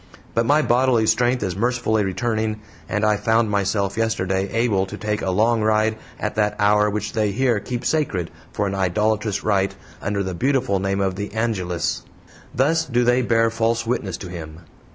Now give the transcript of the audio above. But my bodily strength is mercifully returning, and I found myself yesterday able to take a long ride at that hour which they here keep sacred for an idolatrous rite, under the beautiful name of "The Angelus." Thus do they bear false witness to Him!